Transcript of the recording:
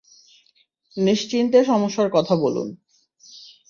নিশ্চিন্তে সমস্যার কথা বলুন।